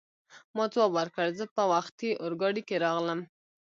ما ځواب ورکړ: زه په وختي اورګاډي کې راغلم.